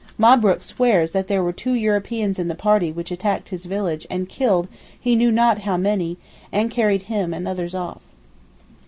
Mabrook swears that there were two Europeans in the party which attacked his village and killed he knew not how many, and carried him and others off.